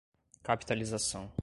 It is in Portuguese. Capitalização